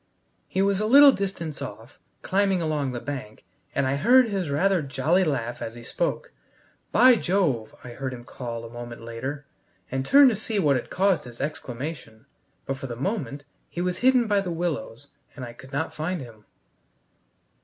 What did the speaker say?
He was a little distance off, climbing along the bank, and I heard his rather jolly laugh as he spoke. "By Jove!" I heard him call, a moment later, and turned to see what had caused his exclamation; but for the moment he was hidden by the willows, and I could not find him.